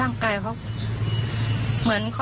และที่สำคัญก็มีอาจารย์หญิงในอำเภอภูสิงอีกเหมือนกัน